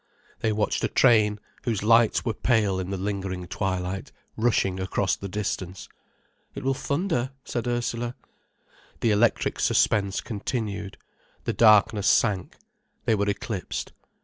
They watched a train, whose lights were pale in the lingering twilight, rushing across the distance. "It will thunder," said Ursula. The electric suspense continued, the darkness sank, they were eclipsed.